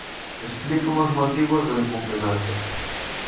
Expliquen os motivos do incumprimento.